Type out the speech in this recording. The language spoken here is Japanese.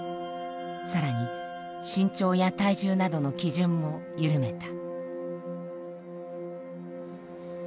更に身長や体重などの基準も緩めた。